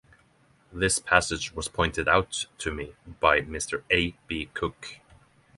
This passage was pointed out to me by Mr. A. B. Cook.